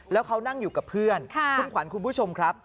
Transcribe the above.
แล้วเขานั่งอยู่กับเพื่อนคุณขวัญคุณผู้ชมครับ